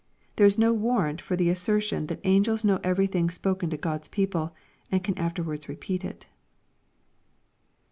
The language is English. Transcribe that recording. There is no warrant for the assertion that angels know everything spoken to God's people, and can afterwards repeat it.